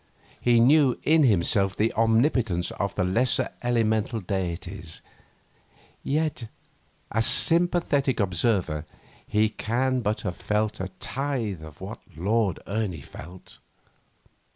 He knew in himself the omnipotence of the lesser elemental deities. Yet, as sympathetic observer, he can but have felt a tithe of what Lord Ernie felt.